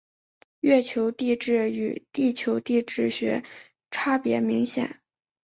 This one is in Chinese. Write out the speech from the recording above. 月球地质与地球地质学差别明显。